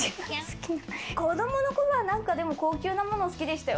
子供の頃は高級なものが好きでしたよ。